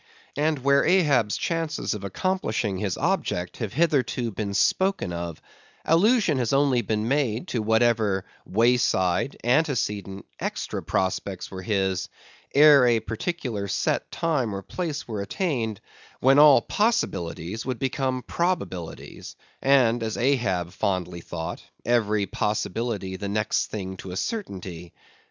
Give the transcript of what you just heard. And where Ahab's chances of accomplishing his object have hitherto been spoken of, allusion has only been made to whatever way side, antecedent, extra prospects were his, ere a particular set time or place were attained, when all possibilities would become probabilities, and, as Ahab fondly thought, every possibility the next thing to a certainty.